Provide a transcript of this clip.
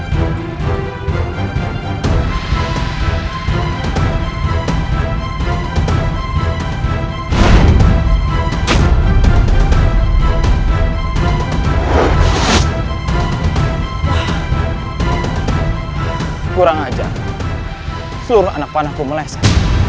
kurang aja seluruh anak panahku meleset